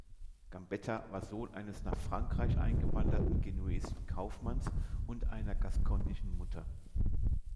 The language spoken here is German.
Gambetta war Sohn eines nach Frankreich eingewanderten genuesischen Kaufmanns und einer gascognischen Mutter.